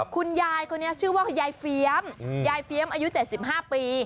คุณยายคนนี้ชื่อว่ายายเฟียมยายเฟียมอายุ๗๕ปี